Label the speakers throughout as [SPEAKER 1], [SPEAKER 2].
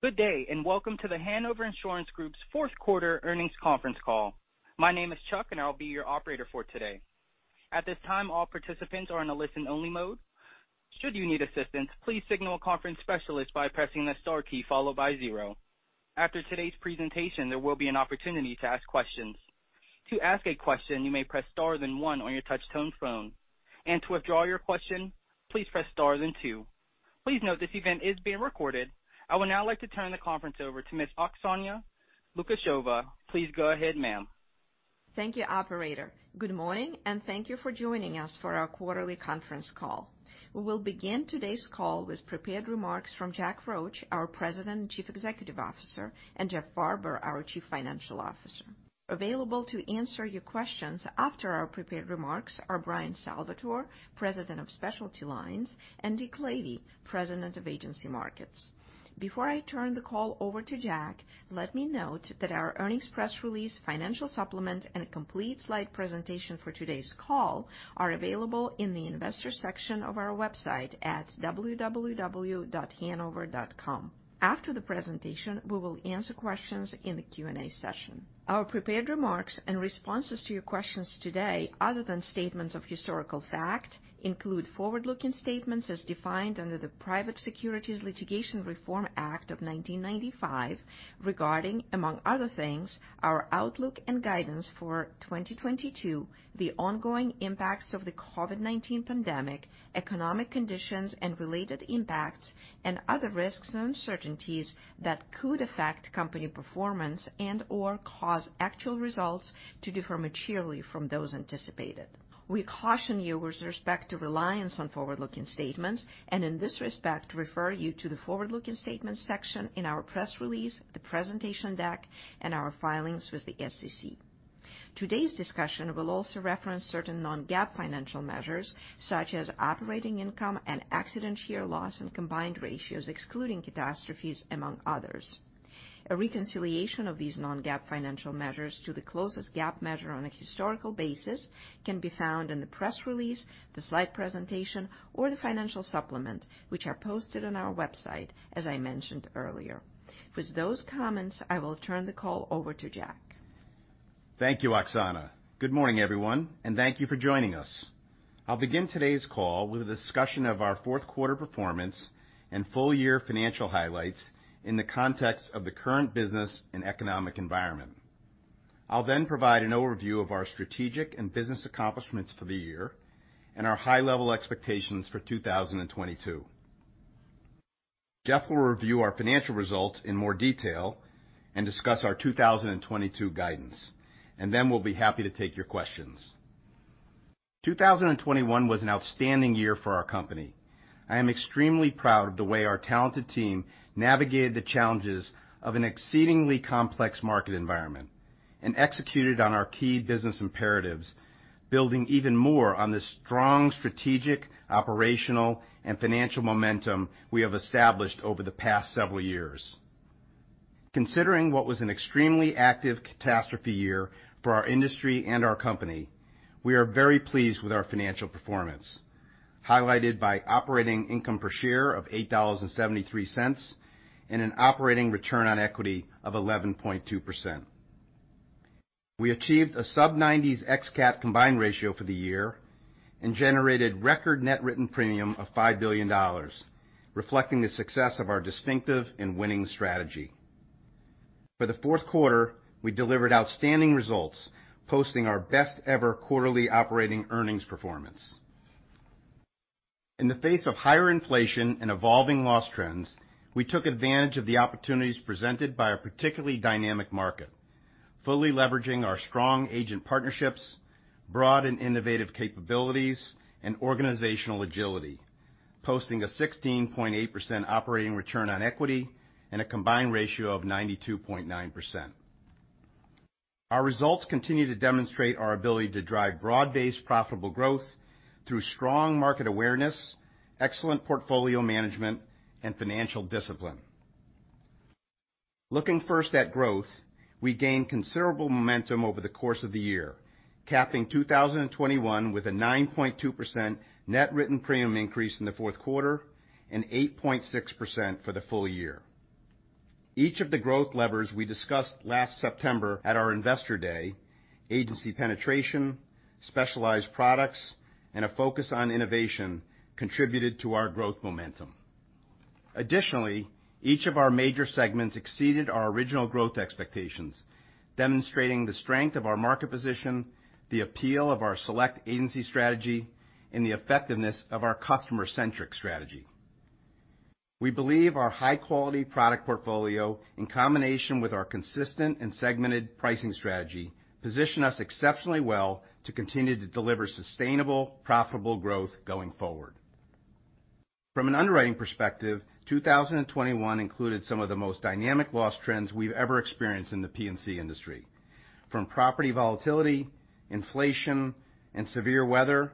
[SPEAKER 1] Good day, and welcome to The Hanover Insurance Group's fourth quarter earnings conference call. My name is Chuck, and I'll be your operator for today. At this time, all participants are in a listen-only mode. Should you need assistance, please signal a conference specialist by pressing the star key followed by zero. After today's presentation, there will be an opportunity to ask questions. To ask a question, you may press star then one on your touch-tone phone. To withdraw your question, please press star then two. Please note this event is being recorded. I would now like to turn the conference over to Ms. Oksana Lukasheva. Please go ahead, ma'am.
[SPEAKER 2] Thank you, operator. Good morning, and thank you for joining us for our quarterly conference call. We will begin today's call with prepared remarks from Jack Roche, our President and Chief Executive Officer, and Jeff Farber, our Chief Financial Officer. Available to answer your questions after our prepared remarks are Bryan Salvatore, President of Specialty Lines, and Dick Lavey, President of Agency Markets. Before I turn the call over to Jack, let me note that our earnings press release, financial supplement, and a complete slide presentation for today's call are available in the Investors section of our website at www.hanover.com. After the presentation, we will answer questions in the Q&A session. Our prepared remarks and responses to your questions today, other than statements of historical fact, include forward-looking statements as defined under the Private Securities Litigation Reform Act of 1995 regarding, among other things, our outlook and guidance for 2022, the ongoing impacts of the COVID-19 pandemic, economic conditions and related impacts, and other risks and uncertainties that could affect company performance and/or cause actual results to differ materially from those anticipated. We caution you with respect to reliance on forward-looking statements and in this respect refer you to the Forward-Looking Statements section in our press release, the presentation deck, and our filings with the SEC. Today's discussion will also reference certain non-GAAP financial measures, such as operating income and accident year loss and combined ratios excluding catastrophes, among others. A reconciliation of these non-GAAP financial measures to the closest GAAP measure on a historical basis can be found in the press release, the slide presentation, or the financial supplement, which are posted on our website, as I mentioned earlier. With those comments, I will turn the call over to Jack.
[SPEAKER 3] Thank you, Oksana. Good morning, everyone, and thank you for joining us. I'll begin today's call with a discussion of our fourth quarter performance and full year financial highlights in the context of the current business and economic environment. I'll then provide an overview of our strategic and business accomplishments for the year and our high-level expectations for 2022. Jeff will review our financial results in more detail and discuss our 2022 guidance, and then we'll be happy to take your questions. 2021 was an outstanding year for our company. I am extremely proud of the way our talented team navigated the challenges of an exceedingly complex market environment and executed on our key business imperatives, building even more on the strong strategic, operational, and financial momentum we have established over the past several years. Considering what was an extremely active catastrophe year for our industry and our company, we are very pleased with our financial performance, highlighted by operating income per share of $8.73 and an operating return on equity of 11.2%. We achieved a sub-90s ex-CAT combined ratio for the year and generated record net written premium of $5 billion, reflecting the success of our distinctive and winning strategy. For the fourth quarter, we delivered outstanding results, posting our best ever quarterly operating earnings performance. In the face of higher inflation and evolving loss trends, we took advantage of the opportunities presented by a particularly dynamic market, fully leveraging our strong agent partnerships, broad and innovative capabilities, and organizational agility, posting a 16.8% operating return on equity and a combined ratio of 92.9%. Our results continue to demonstrate our ability to drive broad-based profitable growth through strong market awareness, excellent portfolio management, and financial discipline. Looking first at growth, we gained considerable momentum over the course of the year, capping 2021 with a 9.2% net written premium increase in the fourth quarter and 8.6% for the full year. Each of the growth levers we discussed last September at our Investor Day, agency penetration, specialized products, and a focus on innovation, contributed to our growth momentum. Additionally, each of our major segments exceeded our original growth expectations, demonstrating the strength of our market position, the appeal of our select agency strategy, and the effectiveness of our customer-centric strategy. We believe our high-quality product portfolio, in combination with our consistent and segmented pricing strategy, position us exceptionally well to continue to deliver sustainable, profitable growth going forward. From an underwriting perspective, 2021 included some of the most dynamic loss trends we've ever experienced in the P&C industry, from property volatility, inflation, and severe weather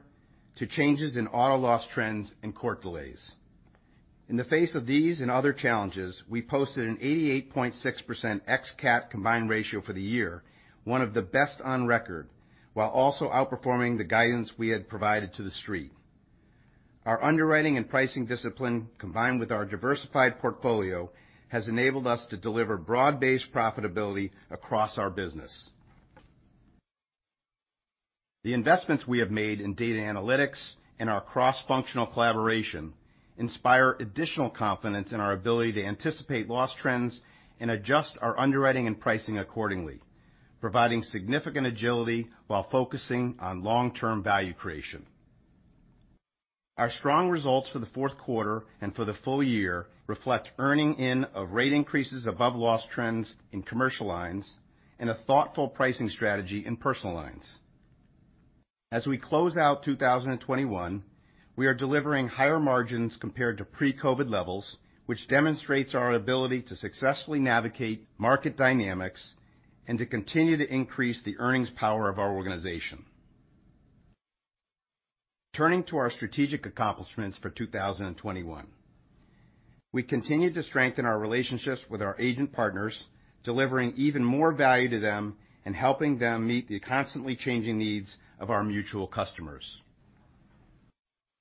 [SPEAKER 3] to changes in auto loss trends and court delays. In the face of these and other challenges, we posted an 88.6% ex-CAT combined ratio for the year, one of the best on record, while also outperforming the guidance we had provided to the street. Our underwriting and pricing discipline, combined with our diversified portfolio, has enabled us to deliver broad-based profitability across our business. The investments we have made in data analytics and our cross-functional collaboration inspire additional confidence in our ability to anticipate loss trends and adjust our underwriting and pricing accordingly, providing significant agility while focusing on long-term value creation. Our strong results for the fourth quarter and for the full year reflect earning in of rate increases above loss trends in Commercial Lines and a thoughtful pricing strategy in Personal Lines. As we close out 2021, we are delivering higher margins compared to pre-COVID-19 levels, which demonstrates our ability to successfully navigate market dynamics and to continue to increase the earnings power of our organization. Turning to our strategic accomplishments for 2021. We continued to strengthen our relationships with our agent partners, delivering even more value to them and helping them meet the constantly changing needs of our mutual customers.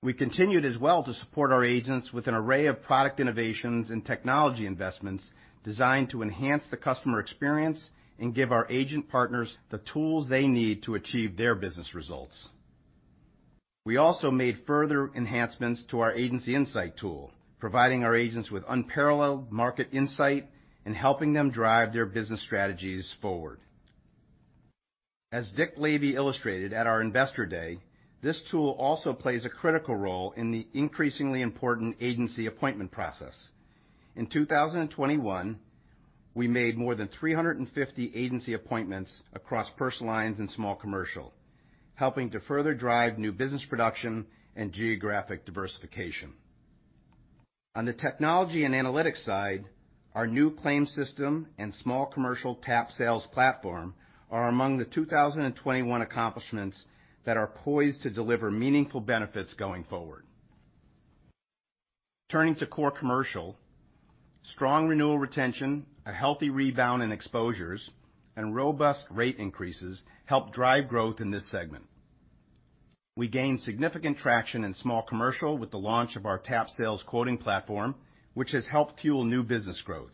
[SPEAKER 3] We continued as well to support our agents with an array of product innovations and technology investments designed to enhance the customer experience and give our agent partners the tools they need to achieve their business results. We also made further enhancements to our Agency Insight tool, providing our agents with unparalleled market insight and helping them drive their business strategies forward. As Dick Lavey illustrated at our Investor Day, this tool also plays a critical role in the increasingly important agency appointment process. In 2021, we made more than 350 agency appointments across Personal Lines and Small Commercial, helping to further drive new business production and geographic diversification. On the technology and analytics side, our new claim system and Small Commercial TAP Sales platform are among the 2021 accomplishments that are poised to deliver meaningful benefits going forward. Turning to Core Commercial, strong renewal retention, a healthy rebound in exposures, and robust rate increases helped drive growth in this segment. We gained significant traction in Small Commercial with the launch of our TAP Sales quoting platform, which has helped fuel new business growth.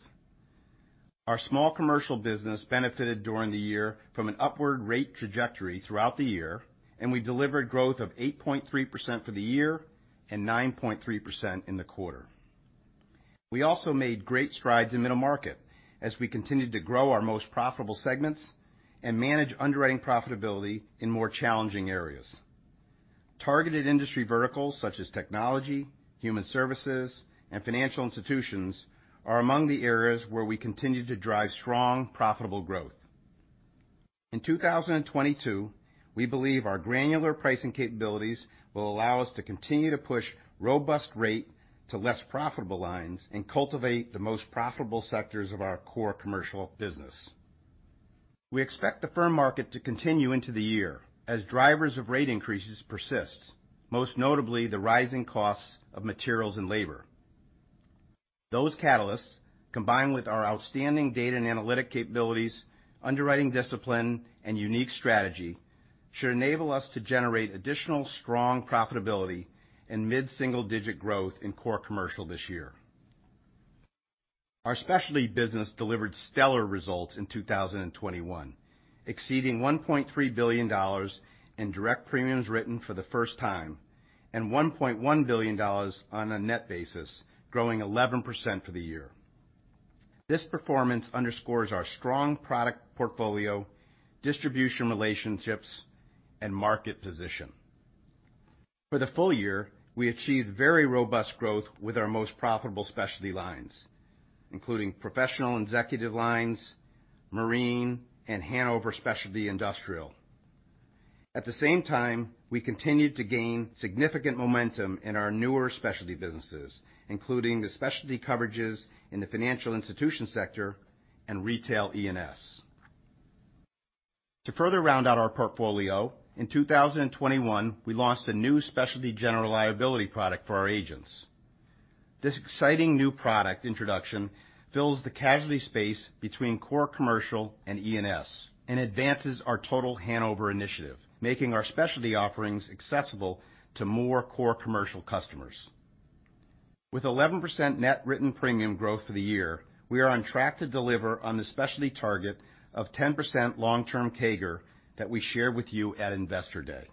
[SPEAKER 3] Our Small Commercial business benefited during the year from an upward rate trajectory throughout the year, and we delivered growth of 8.3% for the year and 9.3% in the quarter. We also made great strides in the market as we continued to grow our most profitable segments and manage underwriting profitability in more challenging areas. Targeted industry verticals such as technology, human services, and financial institutions are among the areas where we continued to drive strong, profitable growth. In 2022, we believe our granular pricing capabilities will allow us to continue to push robust rate to less profitable lines and cultivate the most profitable sectors of our Core Commercial business. We expect the firm market to continue into the year as drivers of rate increases persist, most notably the rising costs of materials and labor. Those catalysts, combined with our outstanding data and analytic capabilities, underwriting discipline, and unique strategy, should enable us to generate additional strong profitability and mid-single digit growth in Core Commercial this year. Our specialty business delivered stellar results in 2021, exceeding $1.3 billion in direct premiums written for the first time and $1.1 billion on a net basis, growing 11% for the year. This performance underscores our strong product portfolio, distribution relationships, and market position. For the full year, we achieved very robust growth with our most profitable specialty lines, including professional executive lines, marine, and Hanover Specialty Industrial. At the same time, we continued to gain significant momentum in our newer specialty businesses, including the specialty coverages in the financial institution sector and retail E&S. To further round out our portfolio, in 2021, we launched a new specialty general liability product for our agents. This exciting new product introduction fills the casualty space between Core Commercial and E&S and advances our Total Hanover initiative, making our specialty offerings accessible to more Core Commercial customers. With 11% net written premium growth for the year, we are on track to deliver on the specialty target of 10% long-term CAGR that we shared with you at Investor Day.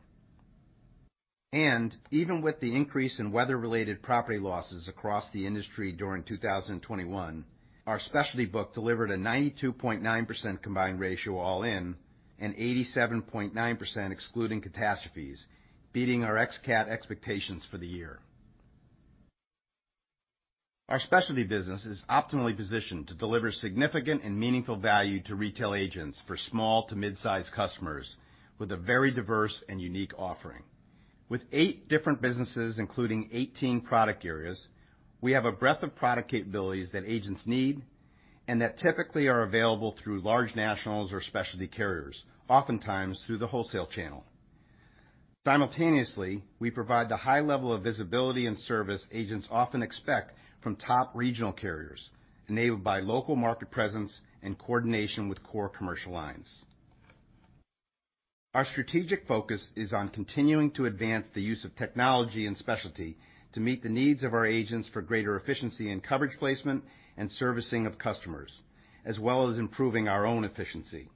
[SPEAKER 3] Even with the increase in weather-related property losses across the industry during 2021, our specialty book delivered a 92.9% combined ratio all in and 87.9% excluding catastrophes, beating our ex-CAT expectations for the year. Our specialty business is optimally positioned to deliver significant and meaningful value to retail agents for small to mid-size customers with a very diverse and unique offering. With eight different businesses, including 18 product areas, we have a breadth of product capabilities that agents need and that typically are available through large nationals or specialty carriers, oftentimes through the wholesale channel. Simultaneously, we provide the high level of visibility and service agents often expect from top regional carriers, enabled by local market presence and Core Commercial Lines. our strategic focus is on continuing to advance the use of technology and specialty to meet the needs of our agents for greater efficiency and coverage placement and servicing of customers, as well as improving our own efficiency.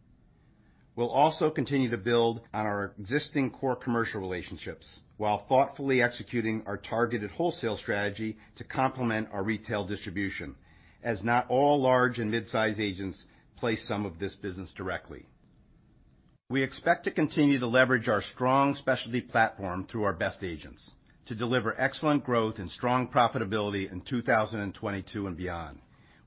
[SPEAKER 3] We'll also continue to build on our existing Core Commercial relationships while thoughtfully executing our targeted wholesale strategy to complement our retail distribution, as not all large and mid-size agents place some of this business directly. We expect to continue to leverage our strong specialty platform through our best agents to deliver excellent growth and strong profitability in 2022 and beyond.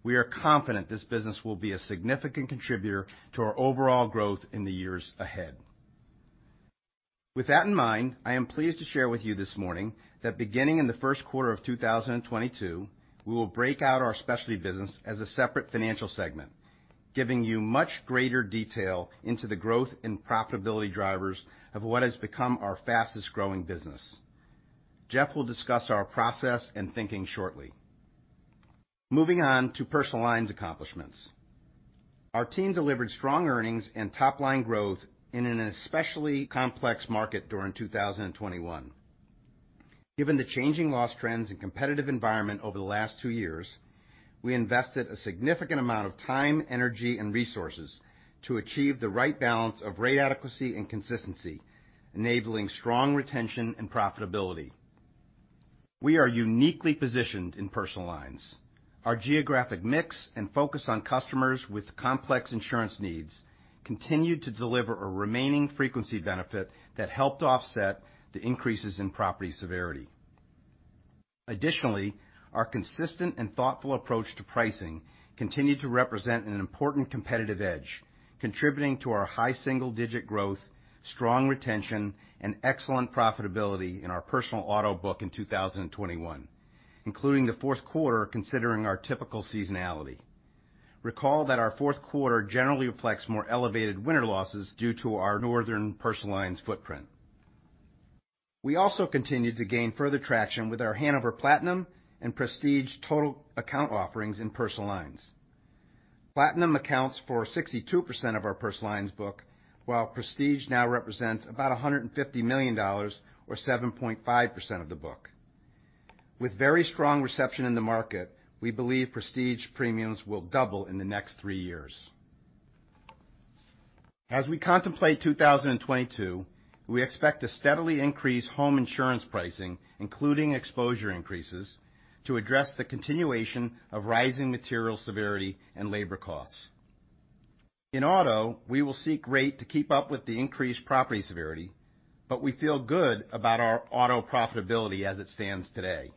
[SPEAKER 3] We are confident this business will be a significant contributor to our overall growth in the years ahead. With that in mind, I am pleased to share with you this morning that beginning in the first quarter of 2022, we will break out our Specialty business as a separate financial segment, giving you much greater detail into the growth and profitability drivers of what has become our fastest-growing business. Jeff will discuss our process and thinking shortly. Moving on to Personal Lines accomplishments. Our team delivered strong earnings and top-line growth in an especially complex market during 2021. Given the changing loss trends and competitive environment over the last two years, we invested a significant amount of time, energy, and resources to achieve the right balance of rate adequacy and consistency, enabling strong retention and profitability. We are uniquely positioned in Personal Lines. Our geographic mix and focus on customers with complex insurance needs continued to deliver a remaining frequency benefit that helped offset the increases in property severity. Additionally, our consistent and thoughtful approach to pricing continued to represent an important competitive edge, contributing to our high single-digit growth, strong retention, and excellent profitability in our personal auto book in 2021, including the fourth quarter considering our typical seasonality. Recall that our fourth quarter generally reflects more elevated winter losses due to our northern Personal Lines footprint. We also continued to gain further traction with our Hanover Platinum and Prestige total account offerings in Personal Lines. Platinum accounts for 62% of our Personal Lines book, while Prestige now represents about $150 million or 7.5% of the book. With very strong reception in the market, we believe Prestige premiums will double in the next three years. As we contemplate 2022, we expect to steadily increase home insurance pricing, including exposure increases to address the continuation of rising material severity and labor costs. In auto, we will seek rate to keep up with the increased property severity, but we feel good about our auto profitability as it stands today.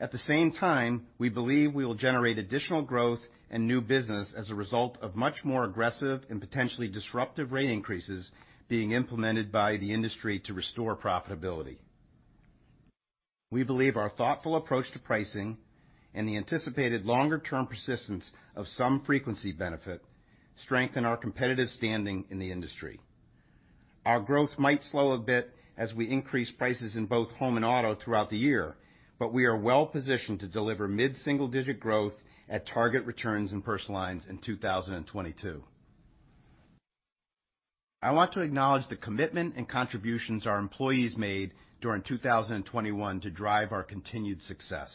[SPEAKER 3] At the same time, we believe we will generate additional growth and new business as a result of much more aggressive and potentially disruptive rate increases being implemented by the industry to restore profitability. We believe our thoughtful approach to pricing and the anticipated longer-term persistence of some frequency benefit strengthen our competitive standing in the industry. Our growth might slow a bit as we increase prices in both home and auto throughout the year, but we are well-positioned to deliver mid-single digit growth at target returns in Personal Lines in 2022. I want to acknowledge the commitment and contributions our employees made during 2021 to drive our continued success.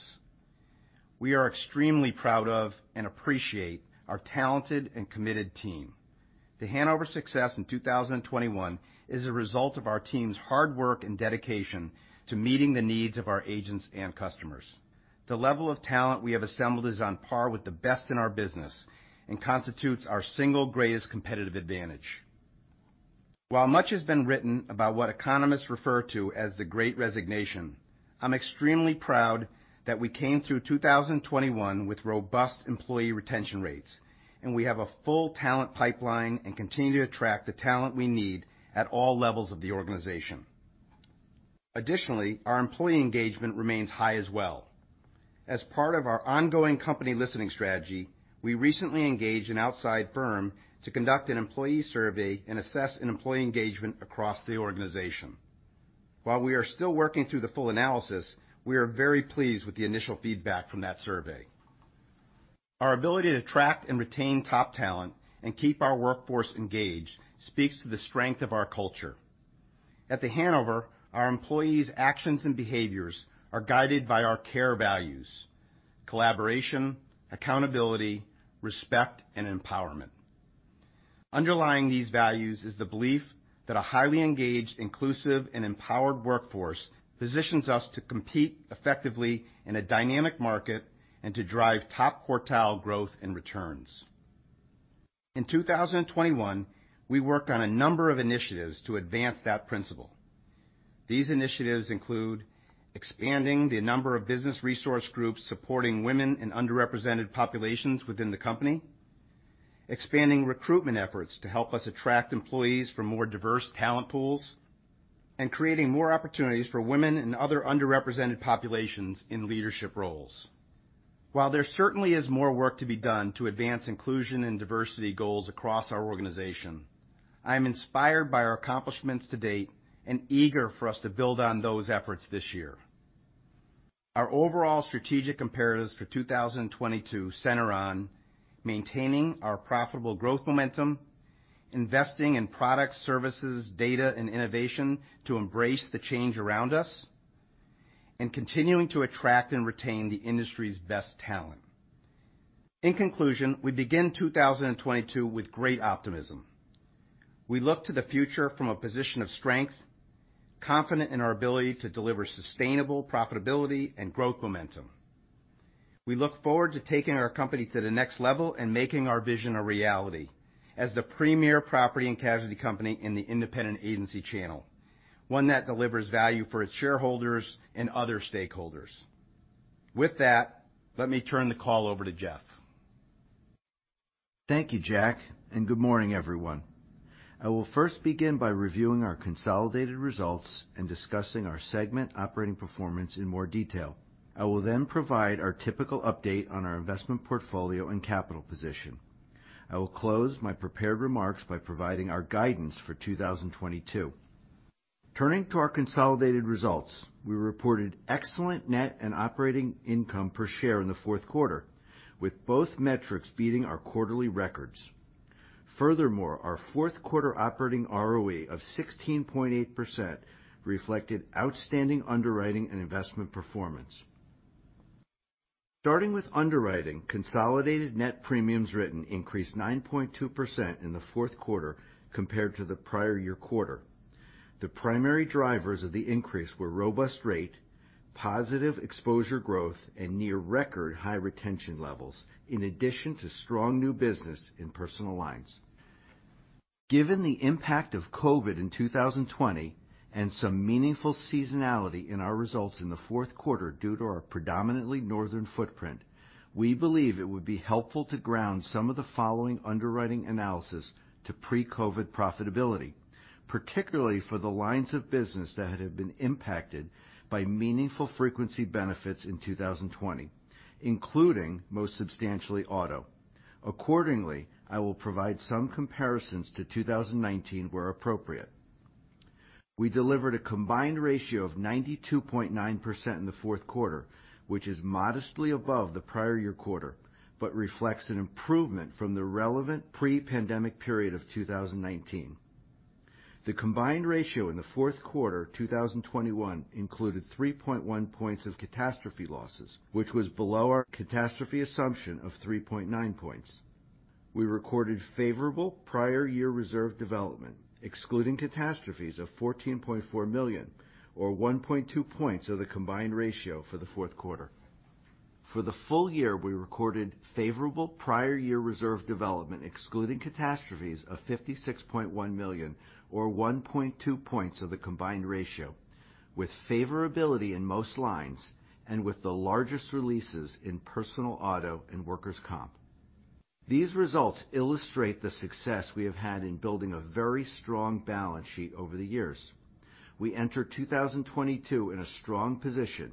[SPEAKER 3] We are extremely proud of and appreciate our talented and committed team. The Hanover success in 2021 is a result of our team's hard work and dedication to meeting the needs of our agents and customers. The level of talent we have assembled is on par with the best in our business and constitutes our single greatest competitive advantage. While much has been written about what economists refer to as the great resignation, I'm extremely proud that we came through 2021 with robust employee retention rates, and we have a full talent pipeline and continue to attract the talent we need at all levels of the organization. Additionally, our employee engagement remains high as well. As part of our ongoing company listening strategy, we recently engaged an outside firm to conduct an employee survey and assess an employee engagement across the organization. While we are still working through the full analysis, we are very pleased with the initial feedback from that survey. Our ability to attract and retain top talent and keep our workforce engaged speaks to the strength of our culture. At The Hanover, our employees' actions and behaviors are guided by our care values, collaboration, accountability, respect, and empowerment. Underlying these values is the belief that a highly-engaged, inclusive, and empowered workforce positions us to compete effectively in a dynamic market and to drive top quartile growth and returns. In 2021, we worked on a number of initiatives to advance that principle. These initiatives include expanding the number of business resource groups supporting women in underrepresented populations within the company, expanding recruitment efforts to help us attract employees from more diverse talent pools, and creating more opportunities for women and other underrepresented populations in leadership roles. While there certainly is more work to be done to advance inclusion and diversity goals across our organization, I am inspired by our accomplishments to date and eager for us to build on those efforts this year. Our overall strategic imperatives for 2022 center on maintaining our profitable growth momentum, investing in products, services, data and innovation to embrace the change around us, and continuing to attract and retain the industry's best talent. In conclusion, we begin 2022 with great optimism. We look to the future from a position of strength, confident in our ability to deliver sustainable profitability and growth momentum. We look forward to taking our company to the next level and making our vision a reality as the premier property and casualty company in the independent agency channel, one that delivers value for its shareholders and other stakeholders. With that, let me turn the call over to Jeff.
[SPEAKER 4] Thank you, Jack, and good morning, everyone. I will first begin by reviewing our consolidated results and discussing our segment operating performance in more detail. I will then provide our typical update on our investment portfolio and capital position. I will close my prepared remarks by providing our guidance for 2022. Turning to our consolidated results, we reported excellent net and operating income per share in the fourth quarter, with both metrics beating our quarterly records. Furthermore, our fourth quarter operating ROE of 16.8% reflected outstanding underwriting and investment performance. Starting with underwriting, consolidated net premiums written increased 9.2% in the fourth quarter compared to the prior year quarter. The primary drivers of the increase were robust rate, positive exposure growth and near record high retention levels in addition to strong new business in Personal Lines. Given the impact of COVID-19 in 2020 and some meaningful seasonality in our results in the fourth quarter due to our predominantly northern footprint, we believe it would be helpful to ground some of the following underwriting analysis to pre-COVID-19 profitability, particularly for the lines of business that have been impacted by meaningful frequency benefits in 2020, including most substantially auto. Accordingly, I will provide some comparisons to 2019 where appropriate. We delivered a combined ratio of 92.9% in the fourth quarter, which is modestly above the prior year quarter, but reflects an improvement from the relevant pre-pandemic period of 2019. The combined ratio in the fourth quarter 2020 included 3.1 points of catastrophe losses, which was below our catastrophe assumption of 3.9 points. We recorded favorable prior year reserve development, excluding catastrophes of $14.4 million or 1.2 points of the combined ratio for the fourth quarter. For the full year, we recorded favorable prior year reserve development, excluding catastrophes of $56.1 million or 1.2 points of the combined ratio with favorability in most lines and with the largest releases in personal auto and workers' comp. These results illustrate the success we have had in building a very strong balance sheet over the years. We enter 2022 in a strong position,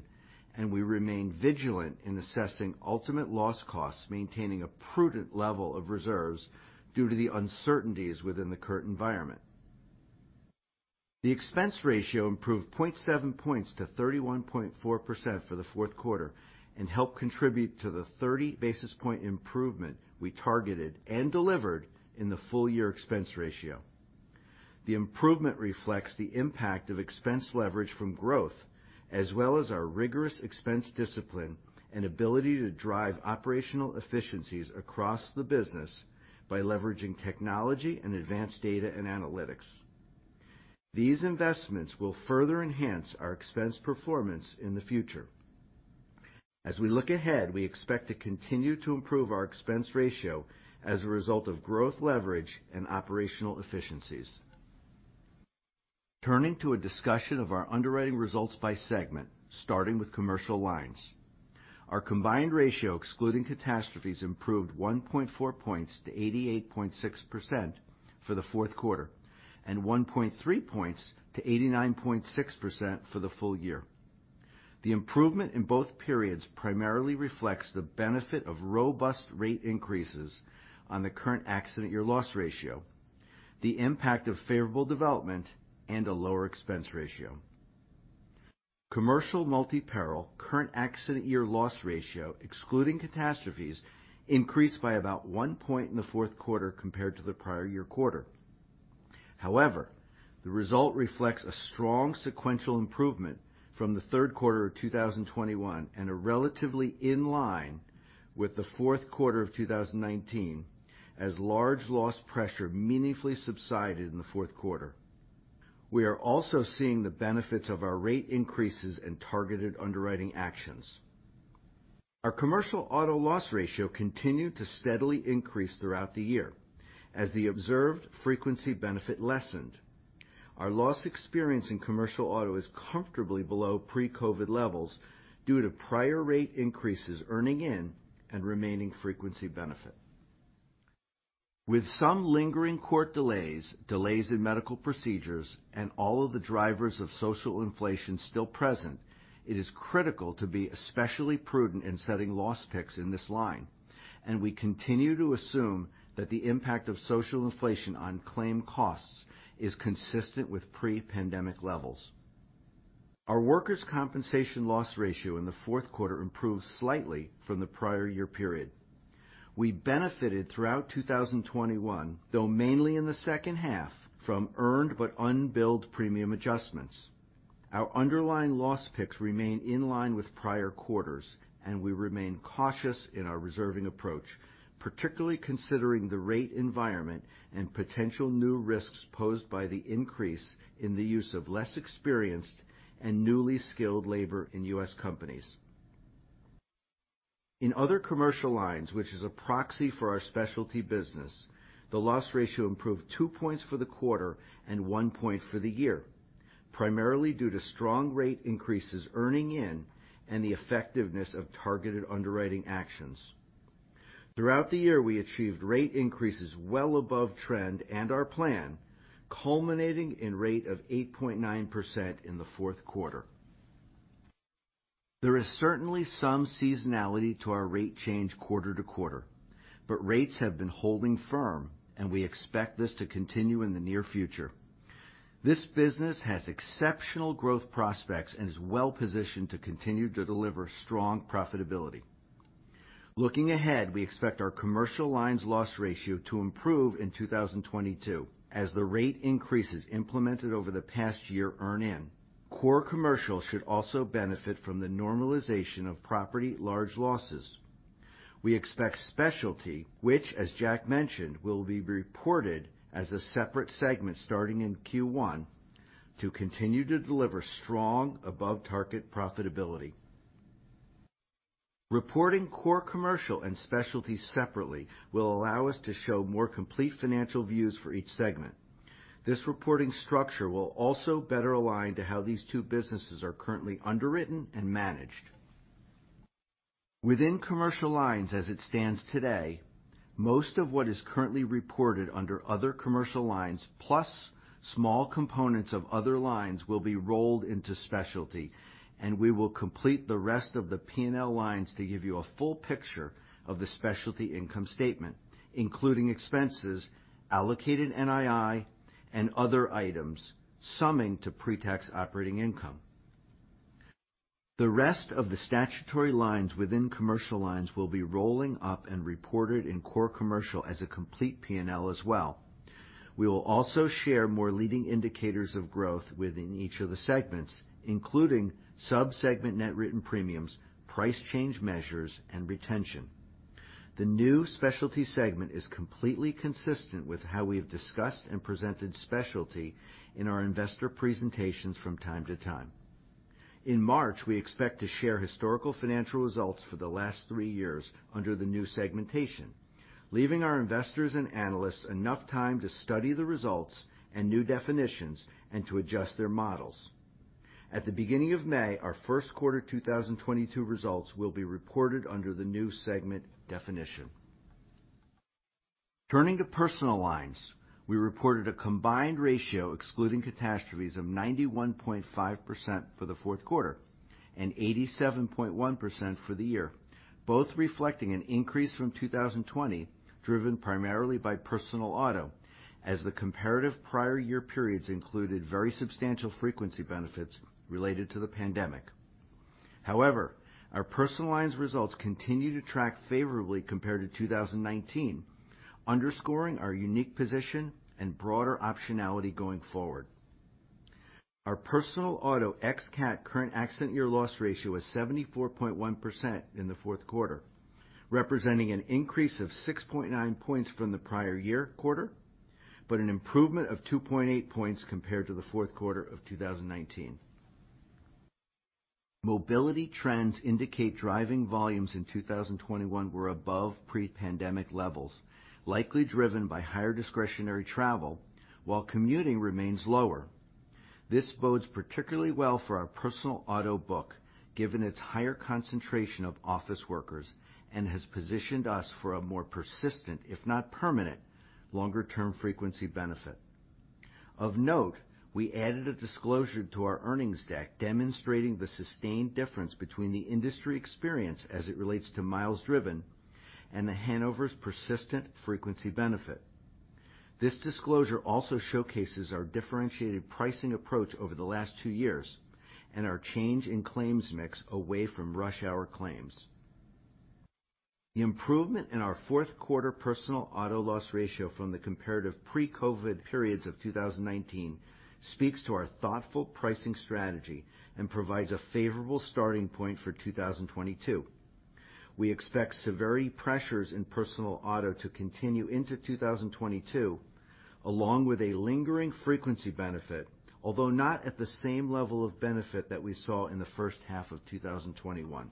[SPEAKER 4] and we remain vigilant in assessing ultimate loss costs, maintaining a prudent level of reserves due to the uncertainties within the current environment. The expense ratio improved 0.7 points to 31.4% for the fourth quarter and helped contribute to the 30 basis point improvement we targeted and delivered in the full year expense ratio. The improvement reflects the impact of expense leverage from growth, as well as our rigorous expense discipline and ability to drive operational efficiencies across the business by leveraging technology and advanced data and analytics. These investments will further enhance our expense performance in the future. As we look ahead, we expect to continue to improve our expense ratio as a result of growth leverage and operational efficiencies. Turning to a discussion of our underwriting results by segment, starting with Commercial Lines. Our combined ratio excluding catastrophes improved 1.4 points to 88.6% for the fourth quarter and 1.3 points to 89.6% for the full year. The improvement in both periods primarily reflects the benefit of robust rate increases on the current accident year loss ratio, the impact of favorable development and a lower expense ratio. Commercial multi-peril current accident year loss ratio excluding catastrophes increased by about one point in the fourth quarter compared to the prior year quarter. However, the result reflects a strong sequential improvement from the third quarter of 2021 and relatively in line with the fourth quarter of 2019 as large loss pressure meaningfully subsided in the fourth quarter. We are also seeing the benefits of our rate increases and targeted underwriting actions. Our commercial auto loss ratio continued to steadily increase throughout the year as the observed frequency benefit lessened. Our loss experience in commercial auto is comfortably below pre-COVID-19 levels due to prior rate increases earning in and remaining frequency benefit. With some lingering court delays in medical procedures, and all of the drivers of social inflation still present, it is critical to be especially prudent in setting loss picks in this line. We continue to assume that the impact of social inflation on claim costs is consistent with pre-pandemic levels. Our workers' compensation loss ratio in the fourth quarter improved slightly from the prior year period. We benefited throughout 2021, though mainly in the second half, from earned but unbilled premium adjustments. Our underlying loss picks remain in line with prior quarters, and we remain cautious in our reserving approach, particularly considering the rate environment and potential new risks posed by the increase in the use of less experienced and newly-skilled labor in U.S. companies. In other Commercial Lines, which is a proxy for our specialty business, the loss ratio improved two points for the quarter and one point for the year, primarily due to strong rate increases earning in and the effectiveness of targeted underwriting actions. Throughout the year, we achieved rate increases well above trend and our plan culminating in rate of 8.9% in the fourth quarter. There is certainly some seasonality to our rate change quarter-to-quarter, but rates have been holding firm, and we expect this to continue in the near future. This business has exceptional growth prospects and is well-positioned to continue to deliver strong profitability. Looking ahead, we expect our Commercial Lines loss ratio to improve in 2022 as the rate increases implemented over the past year earn in. Core Commercial should also benefit from the normalization of property large losses. We expect specialty, which as Jack mentioned, will be reported as a separate segment starting in Q1 to continue to deliver strong above target profitability. Reporting Core Commercial and specialty separately will allow us to show more complete financial views for each segment. This reporting structure will also better align to how these two businesses are currently underwritten and managed. Within Commercial Lines as it stands today, most of what is currently reported under other Commercial Lines, plus small components of other lines will be rolled into specialty, and we will complete the rest of the P&L lines to give you a full picture of the specialty income statement, including expenses, allocated NII, and other items summing to pre-tax operating income. The rest of the statutory lines within Commercial Lines will be rolling up and reported in Core Commercial as a complete P&L as well. We will also share more leading indicators of growth within each of the segments, including sub-segment net written premiums, price change measures, and retention. The new specialty segment is completely consistent with how we have discussed and presented specialty in our investor presentations from time to time. In March, we expect to share historical financial results for the last three years under the new segmentation, leaving our investors and analysts enough time to study the results and new definitions and to adjust their models. At the beginning of May, our first quarter 2022 results will be reported under the new segment definition. Turning to Personal Lines, we reported a combined ratio excluding catastrophes of 91.5% for the fourth quarter and 87.1% for the year, both reflecting an increase from 2020 driven primarily by personal auto as the comparative prior year periods included very substantial frequency benefits related to the pandemic. However, our Personal Lines results continue to track favorably compared to 2019, underscoring our unique position and broader optionality going forward. Our personal auto ex-CAT current accident year loss ratio is 74.1% in the fourth quarter, representing an increase of 6.9 points from the prior year quarter, but an improvement of 2.8 points compared to the fourth quarter of 2019. Mobility trends indicate driving volumes in 2021 were above pre-pandemic levels, likely driven by higher discretionary travel while commuting remains lower. This bodes particularly well for our personal auto book, given its higher concentration of office workers and has positioned us for a more persistent, if not permanent, longer term frequency benefit. Of note, we added a disclosure to our earnings deck demonstrating the sustained difference between the industry experience as it relates to miles driven and The Hanover's persistent frequency benefit. This disclosure also showcases our differentiated pricing approach over the last two years and our change in claims mix away from rush hour claims. The improvement in our fourth quarter personal auto loss ratio from the comparative pre-COVID periods of 2019 speaks to our thoughtful pricing strategy and provides a favorable starting point for 2022. We expect severity pressures in personal auto to continue into 2022 along with a lingering frequency benefit, although not at the same level of benefit that we saw in the first half of 2021.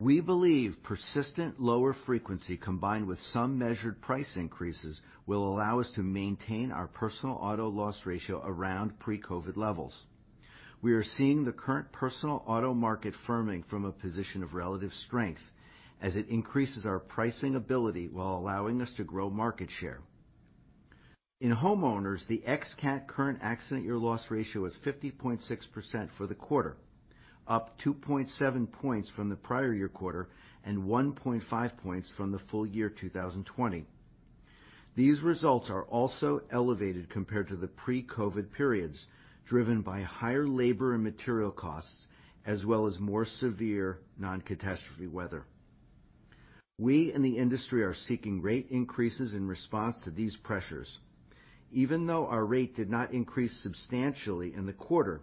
[SPEAKER 4] We believe persistent lower frequency combined with some measured price increases will allow us to maintain our personal auto loss ratio around pre-COVID levels. We are seeing the current personal auto market firming from a position of relative strength as it increases our pricing ability while allowing us to grow market share. In homeowners, the ex-CAT current accident year loss ratio is 50.6% for the quarter, up 2.7 points from the prior year quarter and 1.5 points from the full year 2020. These results are also elevated compared to the pre-COVID-19 periods, driven by higher labor and material costs as well as more severe non-catastrophe weather. We in the industry are seeking rate increases in response to these pressures. Even though our rate did not increase substantially in the quarter,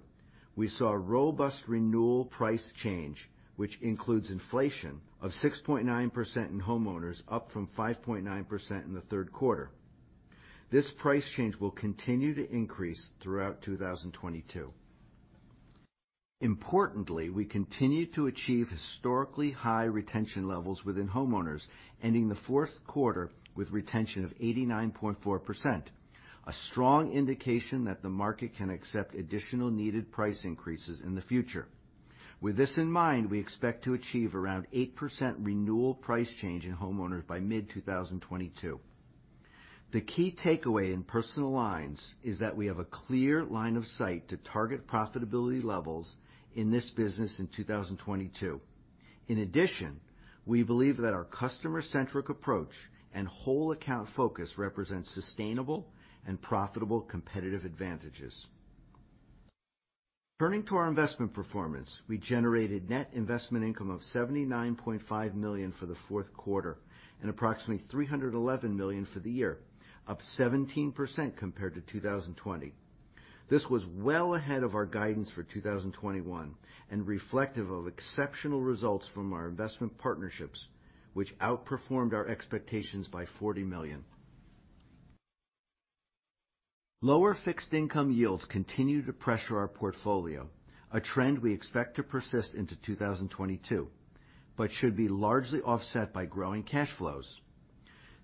[SPEAKER 4] we saw a robust renewal price change, which includes inflation of 6.9% in homeowners, up from 5.9% in the third quarter. This price change will continue to increase throughout 2022. Importantly, we continue to achieve historically high retention levels within homeowners ending the fourth quarter with retention of 89.4%, a strong indication that the market can accept additional needed price increases in the future. With this in mind, we expect to achieve around 8% renewal price change in homeowners by mid-2022. The key takeaway in Personal Lines is that we have a clear line of sight to target profitability levels in this business in 2022. In addition, we believe that our customer-centric approach and whole account focus represents sustainable and profitable competitive advantages. Turning to our investment performance, we generated net investment income of $79.5 million for the fourth quarter and approximately $311 million for the year, up 17% compared to 2020. This was well ahead of our guidance for 2021 and reflective of exceptional results from our investment partnerships, which outperformed our expectations by $40 million. Lower fixed income yields continue to pressure our portfolio, a trend we expect to persist into 2022, but should be largely offset by growing cash flows.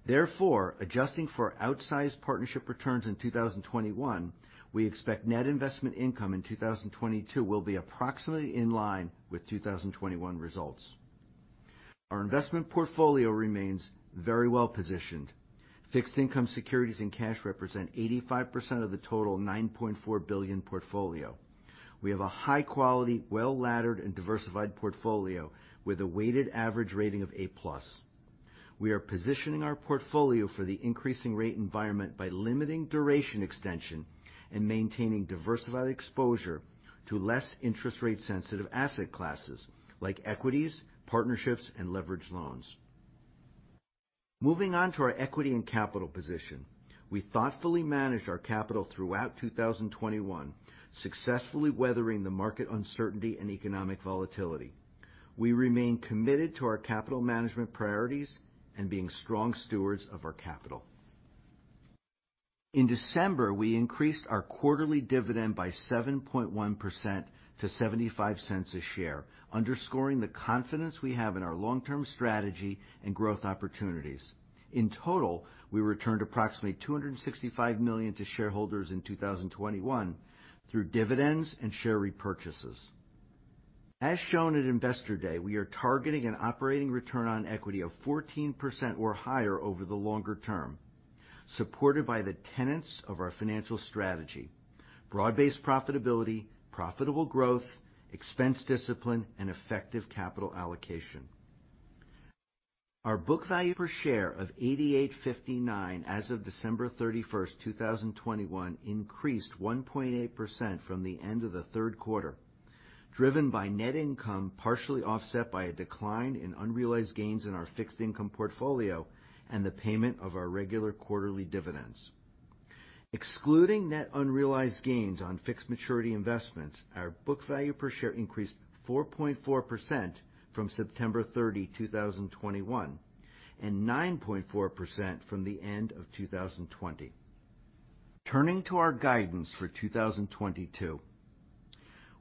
[SPEAKER 4] Therefore, adjusting for outsized partnership returns in 2021, we expect net investment income in 2022 will be approximately in line with 2021 results. Our investment portfolio remains very well-positioned. Fixed income securities and cash represent 85% of the total $9.4 billion portfolio. We have a high quality, well-laddered and diversified portfolio with a weighted average rating of A+. We are positioning our portfolio for the increasing rate environment by limiting duration extension and maintaining diversified exposure to less interest rate-sensitive asset classes like equities, partnerships, and leveraged loans. Moving on to our equity and capital position, we thoughtfully managed our capital throughout 2021, successfully weathering the market uncertainty and economic volatility. We remain committed to our capital management priorities and being strong stewards of our capital. In December, we increased our quarterly dividend by 7.1% to $0.75 a share, underscoring the confidence we have in our long-term strategy and growth opportunities. In total, we returned approximately $265 million to shareholders in 2021 through dividends and share repurchases. As shown at Investor Day, we are targeting an operating return on equity of 14% or higher over the longer term, supported by the tenets of our financial strategy, broad-based profitability, profitable growth, expense discipline, and effective capital allocation. Our book value per share of $88.59 as of December 31st, 2021, increased 1.8% from the end of the third quarter, driven by net income, partially offset by a decline in unrealized gains in our fixed income portfolio and the payment of our regular quarterly dividends. Excluding net unrealized gains on fixed maturity investments, our book value per share increased 4.4% from September 30, 2021, and 9.4% from the end of 2020. Turning to our guidance for 2022.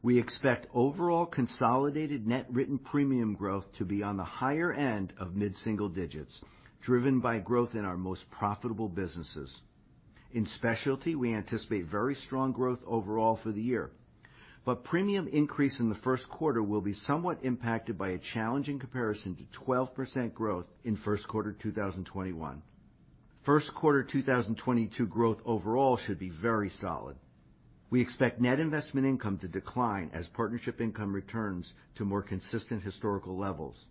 [SPEAKER 4] We expect overall consolidated net written premium growth to be on the higher end of mid-single digits, driven by growth in our most profitable businesses. In specialty, we anticipate very strong growth overall for the year, but premium increase in the first quarter will be somewhat impacted by a challenging comparison to 12% growth in first quarter 2021. First quarter 2022 growth overall should be very solid. We expect net investment income to decline as partnership income returns to more consistent historical levels.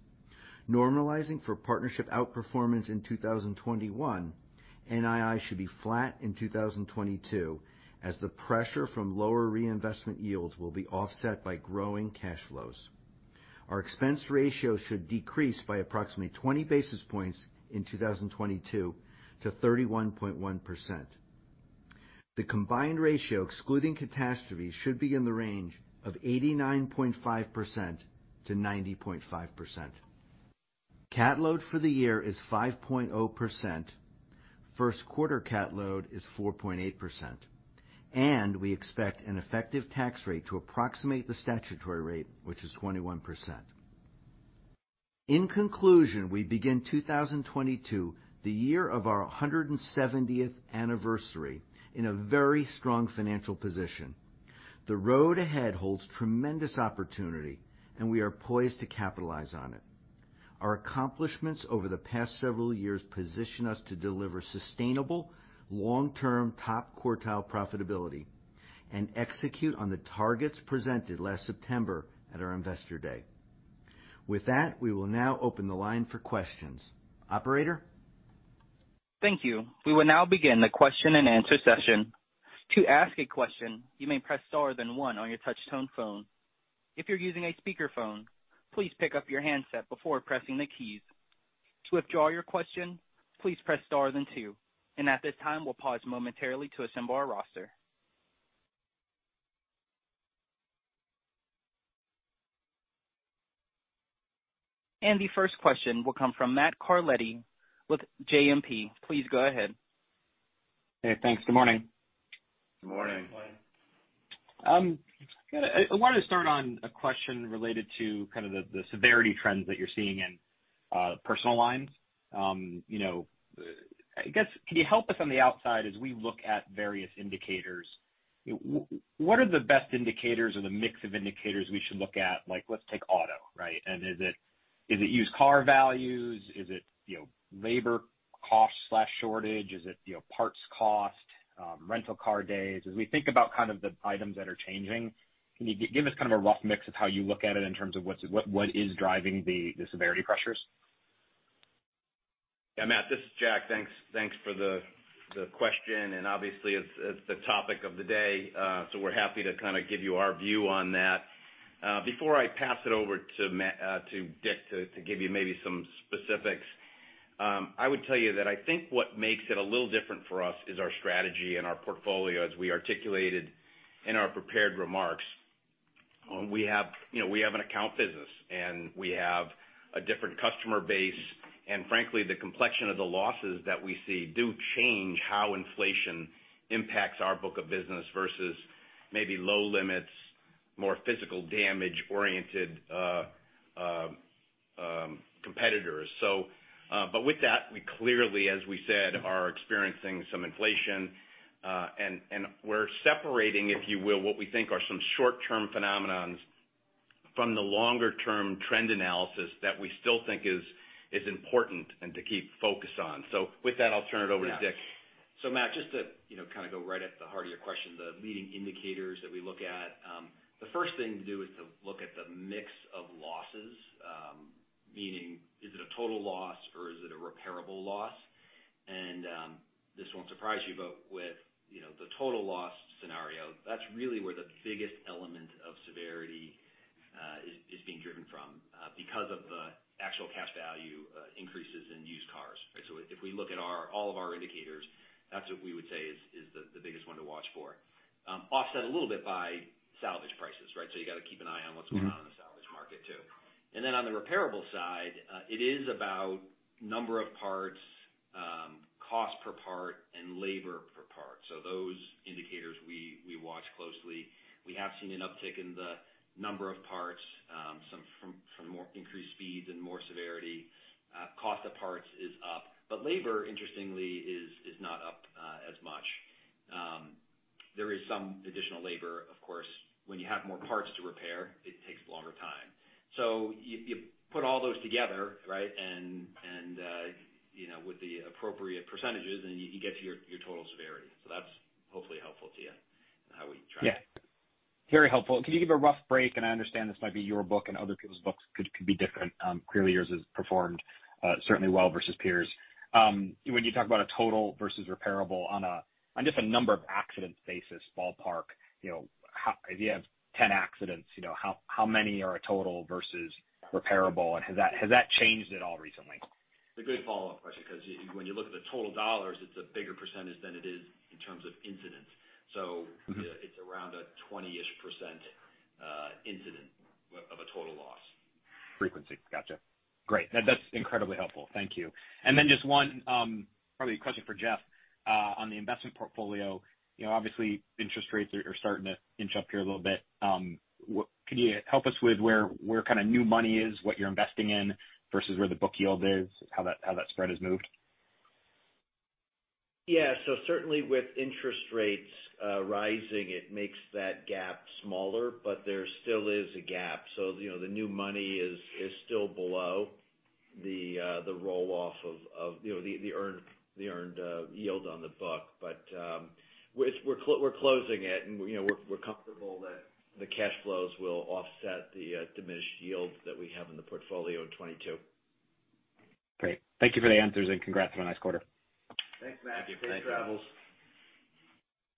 [SPEAKER 4] Normalizing for partnership outperformance in 2021, NII should be flat in 2022 as the pressure from lower reinvestment yields will be offset by growing cash flows. Our expense ratio should decrease by approximately 20 basis points in 2022 to 31.1%. The combined ratio, excluding catastrophe, should be in the range of 89.5%-90.5%. Cat load for the year is 5.0%. First quarter cat load is 4.8%. We expect an effective tax rate to approximate the statutory rate, which is 21%. In conclusion, we begin 2022, the year of our 170th anniversary, in a very strong financial position. The road ahead holds tremendous opportunity, and we are poised to capitalize on it. Our accomplishments over the past several years position us to deliver sustainable, long-term, top-quartile profitability and execute on the targets presented last September at our Investor Day. With that, we will now open the line for questions. Operator?
[SPEAKER 1] Thank you. We will now begin the question-and-answer session. To ask a question, you may press star then one on your touchtone phone. If you're using a speakerphone, please pick up your handset before pressing the keys. To withdraw your question, please press star then two. At this time, we'll pause momentarily to assemble our roster. The first question will come from Matt Carletti with JMP. Please go ahead.
[SPEAKER 5] Hey, thanks. Good morning.
[SPEAKER 3] Good morning, Matt.
[SPEAKER 5] I wanted to start on a question related to kind of the severity trends that you're seeing in Personal Lines. You know, I guess, can you help us on the outside as we look at various indicators, what are the best indicators or the mix of indicators we should look at? Like, let's take auto, right? Is it used car values? Is it labor cost/shortage? Is it parts cost, rental car days? As we think about kind of the items that are changing, can you give us kind of a rough mix of how you look at it in terms of what is driving the severity pressures?
[SPEAKER 3] Yeah, Matt, this is Jack. Thanks for the question, and obviously it's the topic of the day, so we're happy to kind of give you our view on that. Before I pass it over to Dick to give you maybe some specifics, I would tell you that I think what makes it a little different for us is our strategy and our portfolio, as we articulated in our prepared remarks. We have, you know, we have an account business, and we have a different customer base. Frankly, the complexion of the losses that we see do change how inflation impacts our book of business versus maybe low limits, more physical damage-oriented competitors. With that, we clearly, as we said, are experiencing some inflation, and we're separating, if you will, what we think are some short-term phenomena from the long-term trend analysis that we still think is important and to keep focus on. With that, I'll turn it over to Dick.
[SPEAKER 6] Matt, just to, you know, kind of go right at the heart of your question, the leading indicators that we look at, the first thing to do is to look at the mix of losses, meaning is it a total loss or is it a repairable loss? This won't surprise you, but with, you know, the total loss scenario, that's really where the biggest element of severity is being driven from, because of the actual cash value increases in used cars, right? If we look at all of our indicators, that's what we would say is the biggest one to watch for, offset a little bit by salvage prices, right? You gotta keep an eye on what's going on in the salvage market too. On the repairable side, it is about number of parts, cost per part and labor per part. Those indicators we watch closely. We have seen an uptick in the number of parts, some from more increased speeds and more severity. Cost of parts is up. But labor, interestingly, is not up as much. There is some additional labor, of course. When you have more parts to repair, it takes longer time. You put all those together, right, and you know, with the appropriate percentages and you get to your total severity. That's hopefully helpful to you in how we try.
[SPEAKER 5] Yeah. Very helpful. Can you give a rough break, and I understand this might be your book and other people's books could be different. Clearly yours has performed certainly well versus peers. When you talk about a total versus repairable on a on just a number of accidents basis, ballpark, you know, how if you have 10 accidents, you know, how many are a total versus repairable, and has that changed at all recently?
[SPEAKER 6] It's a good follow-up question 'cause when you look at the total dollars, it's a bigger percentage than it is in terms of incidents.
[SPEAKER 5] Mm-hmm.
[SPEAKER 6] It's around a 20%-ish incidence of a total loss.
[SPEAKER 5] Frequency. Gotcha. Great. That's incredibly helpful. Thank you. Just one, probably a question for Jeff, on the investment portfolio. You know, obviously interest rates are starting to inch up here a little bit. Can you help us with where kind of new money is, what you're investing in versus where the book yield is, how that spread has moved?
[SPEAKER 4] Yeah. Certainly with interest rates rising, it makes that gap smaller, but there still is a gap. The new money is still below the roll-off of the earned yield on the book. We're closing it and we're comfortable that the cash flows will offset the diminished yields that we have in the portfolio in 2022.
[SPEAKER 5] Great. Thank you for the answers, and congrats on a nice quarter.
[SPEAKER 3] Thanks, Matt. Safe travels.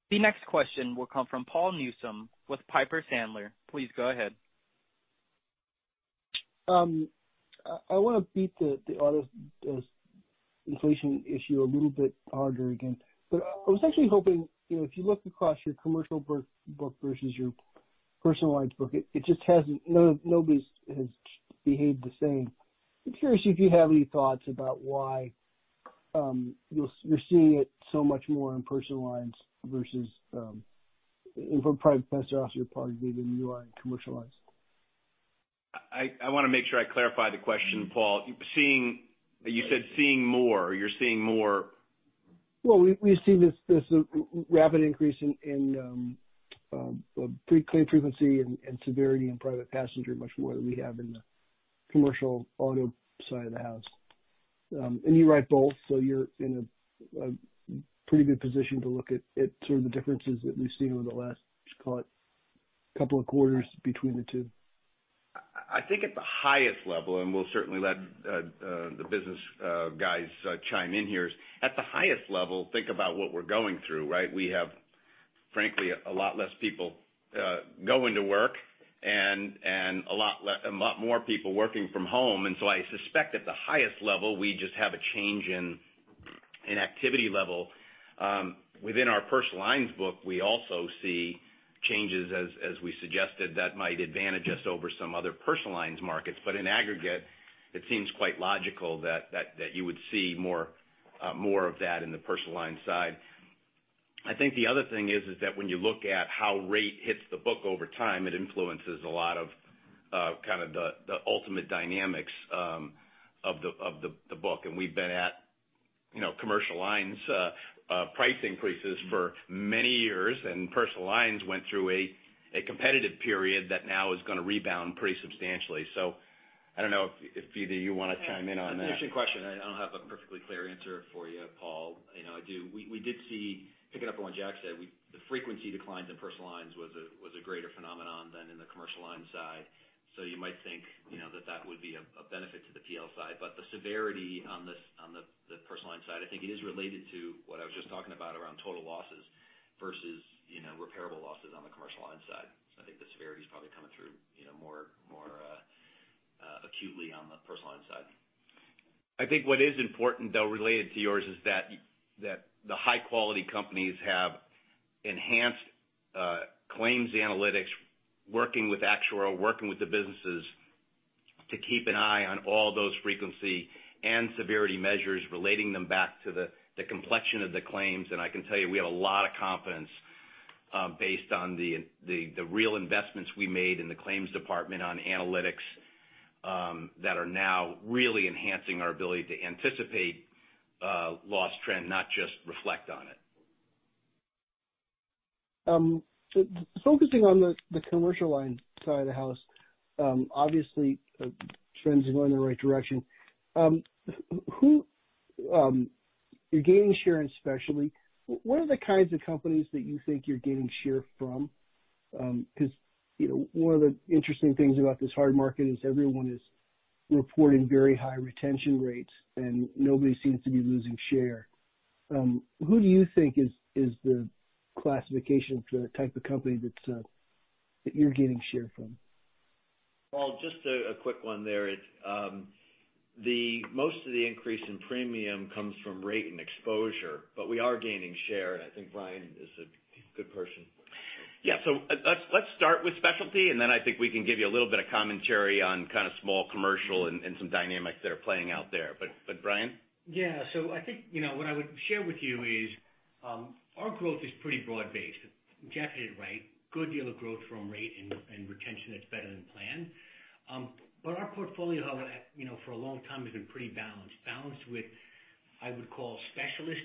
[SPEAKER 1] The next question will come from Paul Newsome with Piper Sandler. Please go ahead.
[SPEAKER 7] I want to beat the auto, the inflation issue a little bit harder again. I was actually hoping, you know, if you look across your commercial book versus your Personal Lines book, it just hasn't—nobody has behaved the same. I'm curious if you have any thoughts about why you're seeing it so much more on Personal Lines versus and for private passenger obviously partly due to UI and Commercial Lines.
[SPEAKER 3] I wanna make sure I clarify the question, Paul. You said seeing more or you're seeing more?
[SPEAKER 7] We've seen this rapid increase in pre-claim frequency and severity in private passenger much more than we have in the commercial auto side of the house. You write both, so you're in a pretty good position to look at some of the differences that we've seen over the last, let's call it couple of quarters between the two.
[SPEAKER 3] I think at the highest level, and we'll certainly let the business guys chime in here. At the highest level, think about what we're going through, right? We have, frankly, a lot less people going to work and a lot more people working from home. I suspect at the highest level, we just have a change in activity level. Within our Personal Lines book, we also see changes as we suggested that might advantage us over some other Personal Lines markets. In aggregate, it seems quite logical that you would see more of that in the personal line side. I think the other thing is that when you look at how rate hits the book over time, it influences a lot of kind of the ultimate dynamics of the book. We've been at, you know, Commercial Lines price increases for many years, and Personal Lines went through a competitive period that now is gonna rebound pretty substantially. I don't know if either of you wanna chime in on that.
[SPEAKER 6] Interesting question. I don't have a perfectly clear answer for you, Paul. You know, we did see, picking up on what Jack said, the frequency declines in Personal Lines was a greater phenomenon than in the commercial line side. You might think, you know, that would be a benefit to the PL side, but the severity on the personal line side, I think it is related to what I was just talking about around total losses versus, you know, repairable losses on the commercial line side. I think the severity is probably coming through, you know, more acutely on the personal line side.
[SPEAKER 3] I think what is important though, related to yours, is that the high-quality companies have enhanced claims analytics, working with actuarial, working with the businesses to keep an eye on all those frequency and severity measures, relating them back to the complexion of the claims. I can tell you, we have a lot of confidence based on the real investments we made in the claims department on analytics that are now really enhancing our ability to anticipate loss trend, not just reflect on it.
[SPEAKER 7] Focusing on the commercial line side of the house, obviously, trends are going in the right direction. Who you're gaining share in specialty. What are the kinds of companies that you think you're gaining share from? 'Cause, you know, one of the interesting things about this hard market is everyone is reporting very high retention rates, and nobody seems to be losing share. Who do you think is the classification for the type of company that's that you're gaining share from?
[SPEAKER 6] Well, just a quick one there. The most of the increase in premium comes from rate and exposure, but we are gaining share, and I think Bryan is a good person.
[SPEAKER 3] Yeah. Let's start with specialty, and then I think we can give you a little bit of commentary on kind of Small Commercial and some dynamics that are playing out there. But, Bryan?
[SPEAKER 8] Yeah. I think, you know, what I would share with you is, our growth is pretty broad-based. Jack is right. Good deal of growth from rate and retention that's better than planned. But our portfolio, however, you know, for a long time has been pretty balanced. Balanced with, I would call specialist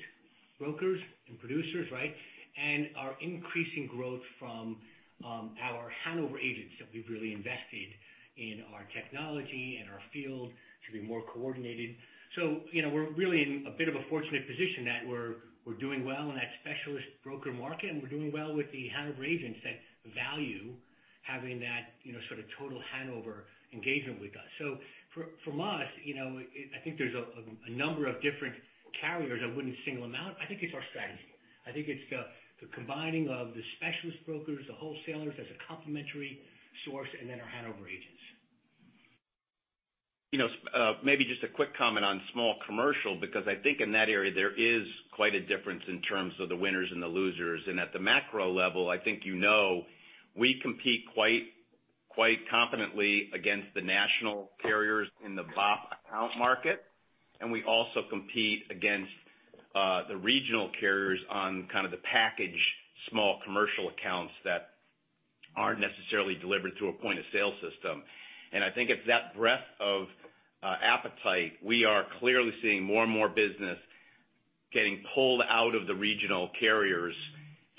[SPEAKER 8] brokers and producers, right? And our increasing growth from, our Hanover agents that we've really invested in our technology and our field to be more coordinated. You know, we're really in a bit of a fortunate position that we're doing well in that specialist broker market, and we're doing well with the Hanover agents that value having that, you know, sort of Total Hanover engagement with us. For us, you know, I think there's a number of different carriers. I wouldn't single them out. I think it's our strategy. I think it's the combining of the specialist brokers, the wholesalers as a complementary source, and then our Hanover agents.
[SPEAKER 3] You know, maybe just a quick comment on Small Commercial, because I think in that area there is quite a difference in terms of the winners and the losers. At the macro level, I think you know we compete quite competently against the national carriers in the BOP account market, and we also compete against the regional carriers on kind of the package Small Commercial accounts that aren't necessarily delivered through a point-of-sale system. I think at that breadth of appetite, we are clearly seeing more and more business getting pulled out of the regional carriers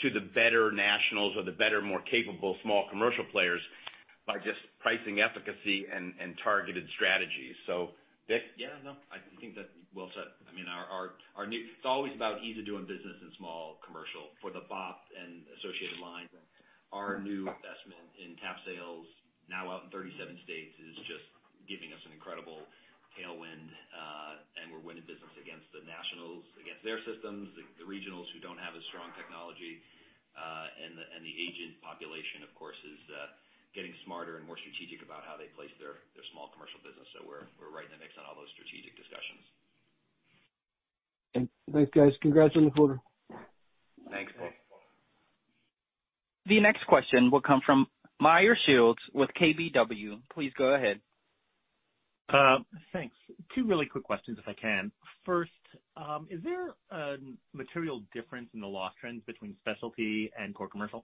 [SPEAKER 3] to the better nationals or the better, more capable Small Commercial players by just pricing efficacy and targeted strategies. Dick?
[SPEAKER 6] Yeah, no, I think that's well said. I mean, it's always about ease of doing business in Small Commercial for the BOP and associated lines. Our new investment in TAP Sales now out in 37 states is just giving us an incredible tailwind, and we're winning business against the nationals, against their systems, the regionals who don't have as strong technology. And the agent population, of course, is getting smarter and more strategic about how they place their Small Commercial business. We're right in the mix on all those strategic discussions.
[SPEAKER 7] Thanks, guys. Congrats on the quarter.
[SPEAKER 3] Thanks, Paul.
[SPEAKER 1] The next question will come from Meyer Shields with KBW. Please go ahead.
[SPEAKER 9] Thanks. Two really quick questions, if I can. First, is there a material difference in the loss trends between specialty and Core Commercial?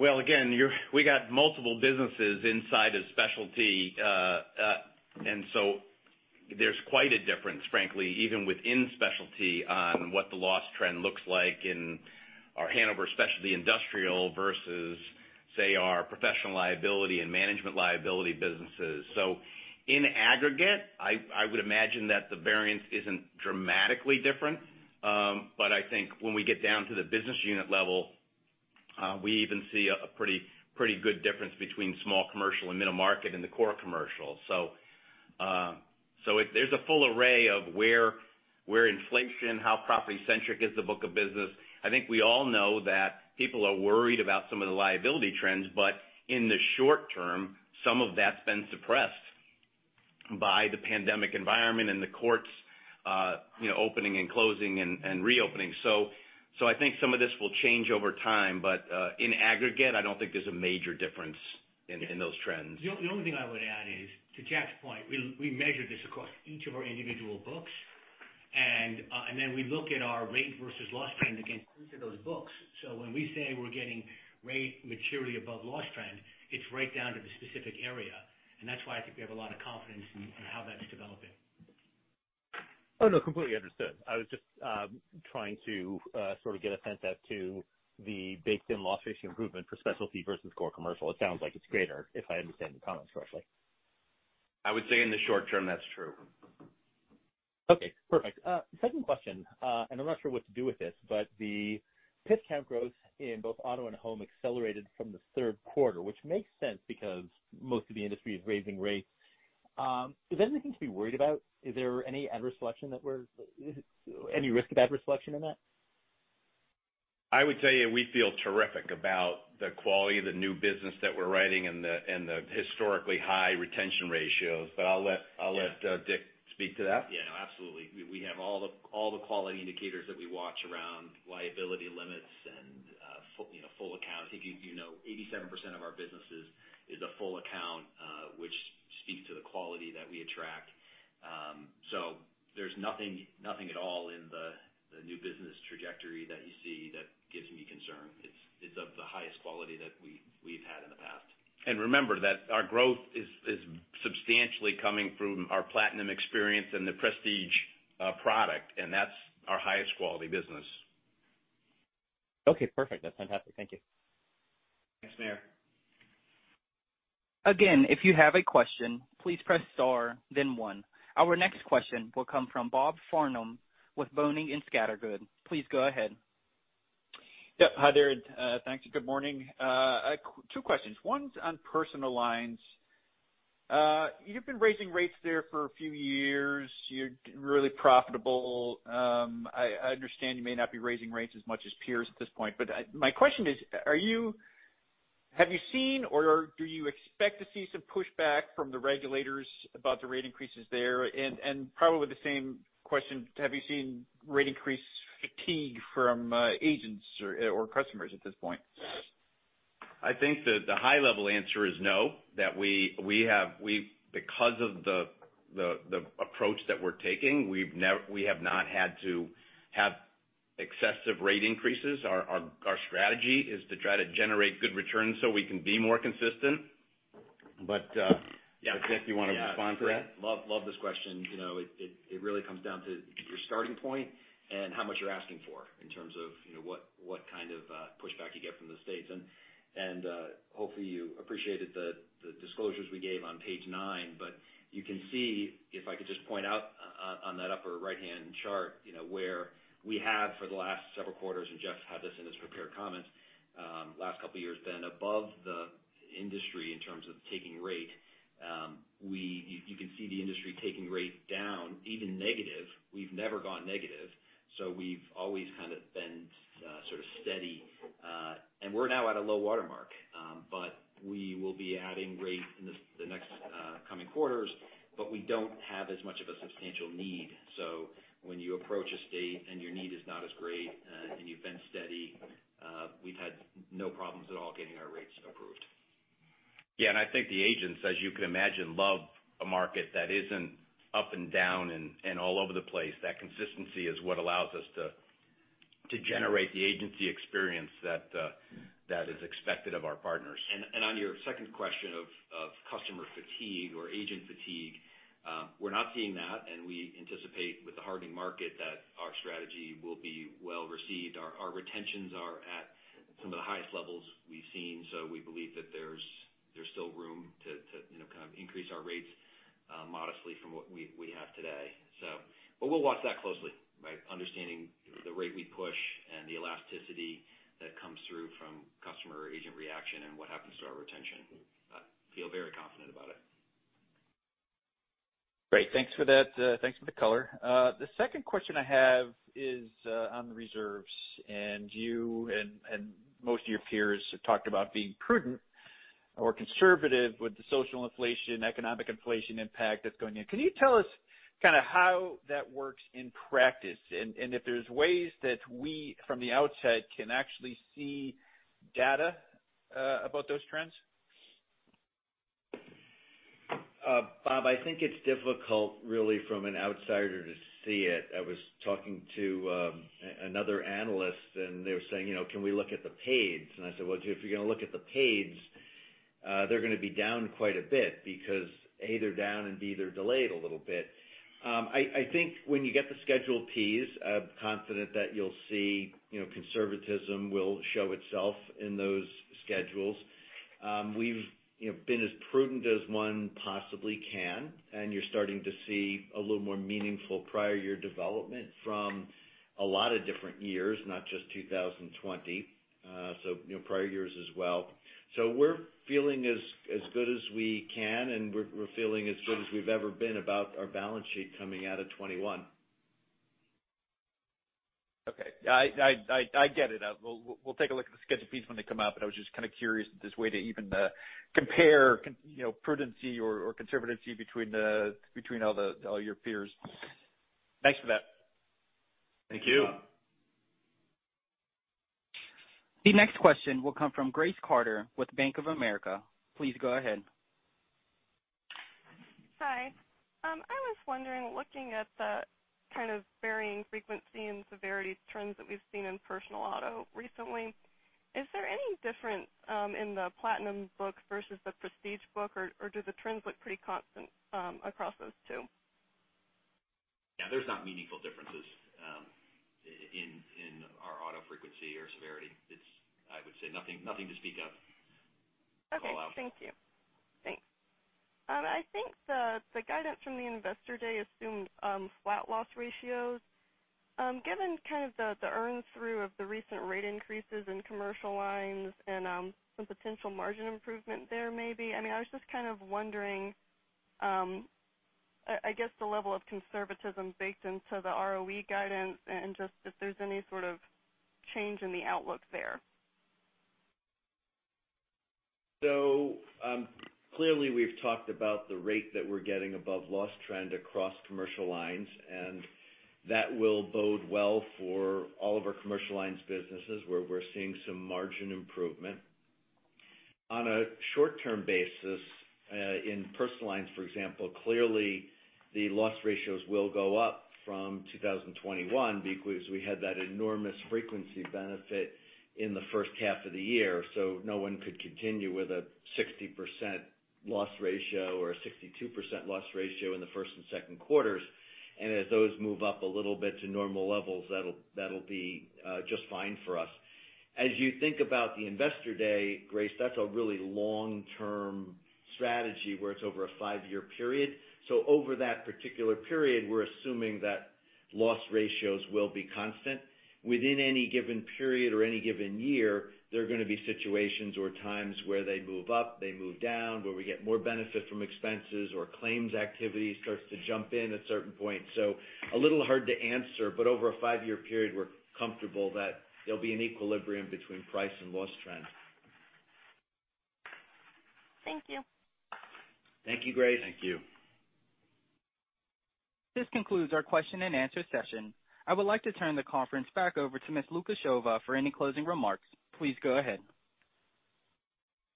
[SPEAKER 3] Well, again, we got multiple businesses inside of specialty. There's quite a difference, frankly, even within specialty on what the loss trend looks like in our Hanover Specialty Industrial versus, say, our professional liability and management liability businesses. In aggregate, I would imagine that the variance isn't dramatically different. But I think when we get down to the business unit level, we even see a pretty good difference between Small Commercial and middle market and the Core Commercial. There's a full array of where inflation, how property-centric is the book of business. I think we all know that people are worried about some of the liability trends, but in the short term, some of that's been suppressed by the pandemic environment and the courts, you know, opening and closing and reopening. I think some of this will change over time, but in aggregate, I don't think there's a major difference in those trends.
[SPEAKER 6] The only thing I would add is, to Jeff's point, we measure this across each of our individual books. Then we look at our rate versus loss trend against each of those books. When we say we're getting rate materially above loss trend, it's right down to the specific area. That's why I think we have a lot of confidence in how that's developing.
[SPEAKER 9] Oh, no, completely understood. I was just trying to sort of get a sense as to the big loss ratio improvement for specialty versus Core Commercial. It sounds like it's greater, if I understand the comments correctly.
[SPEAKER 3] I would say in the short term, that's true.
[SPEAKER 9] Okay, perfect. Second question, and I'm not sure what to do with this, but the policy count growth in both auto and home accelerated from the third quarter, which makes sense because most of the industry is raising rates. Is there anything to be worried about? Is there any risk of adverse selection in that?
[SPEAKER 3] I would tell you, we feel terrific about the quality of the new business that we're writing and the historically high retention ratios. I'll let Dick, speak to that.
[SPEAKER 6] Yeah, absolutely. We have all the quality indicators that we watch around liability limits and you know, full account. I think you know 87% of our businesses is a full account, which speaks to the quality that we attract. There's nothing at all in the new business trajectory that you see that gives me concern. It's of the highest quality that we've had in the past.
[SPEAKER 3] Remember that our growth is substantially coming from our Platinum Experience and the Prestige product, and that's our highest quality business.
[SPEAKER 9] Okay, perfect. That's fantastic. Thank you.
[SPEAKER 3] Thanks, Meyer.
[SPEAKER 1] Again, if you have a question, please press star then one. Our next question will come from Bob Farnam with Boenning & Scattergood. Please go ahead.
[SPEAKER 10] Yep. Hi there and, thanks. Good morning. Two questions. One's on Personal Lines. You've been raising rates there for a few years. You're really profitable. I understand you may not be raising rates as much as peers at this point, but my question is, have you seen or do you expect to see some pushback from the regulators about the rate increases there? Probably the same question, have you seen rate increase fatigue from agents or customers at this point?
[SPEAKER 3] I think the high-level answer is no, that we have not had to have excessive rate increases because of the approach that we're taking. Our strategy is to try to generate good returns so we can be more consistent.
[SPEAKER 6] Yeah.
[SPEAKER 3] Jeff, you wanna respond to that?
[SPEAKER 6] Great. Love this question. You know, it really comes down to your starting point and how much you're asking for in terms of, you know, what kind of pushback you get from the states. Hopefully you appreciated the disclosures we gave on page nine. You can see, if I could just point out on that upper right-hand chart, where we have for the last several quarters, and Jeff's had this in his prepared comments, last couple of years, been above the industry in terms of taking rate. You can see the industry taking rate down, even negative. We've never gone negative. We've always kind of been sort of steady, and we're now at a low watermark, but we will be adding rate in the next coming quarters, but we don't have as much of a substantial need. When you approach a state and your need is not as great, and you've been steady, we've had no problems at all getting our rates approved.
[SPEAKER 3] Yeah, I think the agents, as you can imagine, love a market that isn't up and down and all over the place. That consistency is what allows us to generate the agency experience that is expected of our partners.
[SPEAKER 6] On your second question of customer fatigue or agent fatigue, we're not seeing that, and we anticipate with the hardening market that our strategy will be well-received. Our retentions are at some of the highest levels we've seen, so we believe that there's still room to you know kind of increase our rates modestly from what we have today, so. We'll watch that closely, right? Understanding the rate we push and the elasticity that comes through from customer agent reaction and what happens to our retention. I feel very confident about it.
[SPEAKER 10] Great. Thanks for that. Thanks for the color. The second question I have is on the reserves, and you and most of your peers have talked about being prudent or conservative with the social inflation, economic inflation impact that's going in. Can you tell us kinda how that works in practice, and if there's ways that we from the outside can actually see data about those trends?
[SPEAKER 4] Bob, I think it's difficult really from an outsider to see it. I was talking to another analyst and they were saying, you know, "Can we look at the pays?" I said, "Well, if you're gonna look at the pays they're gonna be down quite a bit because A, they're down, and B, they're delayed a little bit. I think when you get the schedule tease, I'm confident that you'll see, you know, conservatism will show itself in those schedules. We've, you know, been as prudent as one possibly can, and you're starting to see a little more meaningful prior year development from a lot of different years, not just 2020. You know, prior years as well. We're feeling as good as we can, and we're feeling as good as we've ever been about our balance sheet coming out of 2021.
[SPEAKER 10] Okay. I get it. We'll take a look at the schedule piece when they come out, but I was just kind of curious if there's a way to even compare, you know, prudency or conservancy between all your peers. Thanks for that.
[SPEAKER 4] Thank you.
[SPEAKER 10] You're welcome.
[SPEAKER 1] The next question will come from Grace Carter with Bank of America. Please go ahead.
[SPEAKER 11] Hi. I was wondering, looking at the kind of varying frequency and severity trends that we've seen in personal auto recently, is there any difference in the Platinum book versus the Prestige book or do the trends look pretty constant across those two?
[SPEAKER 4] Yeah, there's not meaningful differences in our auto frequency or severity. It's, I would say, nothing to speak of.
[SPEAKER 11] Okay.
[SPEAKER 4] All out.
[SPEAKER 11] Thank you. Thanks. I think the guidance from the Investor Day assumed flat loss ratios. Given kind of the earn through of the recent rate increases in Commercial Lines and some potential margin improvement there may be, I mean, I was just kind of wondering, I guess the level of conservatism baked into the ROE guidance and just if there's any sort of change in the outlook there.
[SPEAKER 4] Clearly, we've talked about the rate that we're getting above loss trend across Commercial Lines, and that will bode well for all of our Commercial Lines businesses where we're seeing some margin improvement. On a short-term basis, in Personal Lines, for example, clearly the loss ratios will go up from 2021 because we had that enormous frequency benefit in the first half of the year. No one could continue with a 60% loss ratio or a 62% loss ratio in the first and second quarters. As those move up a little bit to normal levels, that'll be just fine for us. As you think about the Investor Day, Grace, that's a really long-term strategy where it's over a five-year period. Over that particular period, we're assuming that loss ratios will be constant. Within any given period or any given year, there are gonna be situations or times where they move up, they move down, where we get more benefit from expenses, or claims activity starts to jump in at certain points. A little hard to answer, but over a five-year period, we're comfortable that there'll be an equilibrium between price and loss trends.
[SPEAKER 11] Thank you.
[SPEAKER 4] Thank you, Grace.
[SPEAKER 3] Thank you.
[SPEAKER 1] This concludes our question-and-answer session. I would like to turn the conference back over to Ms. Lukasheva for any closing remarks. Please go ahead.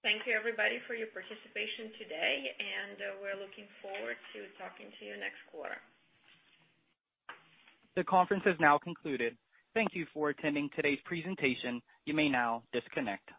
[SPEAKER 2] Thank you, everybody, for your participation today, and we're looking forward to talking to you next quarter.
[SPEAKER 1] The conference has now concluded. Thank you for attending today's presentation. You may now disconnect.